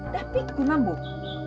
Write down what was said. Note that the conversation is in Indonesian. tapi aku nambuh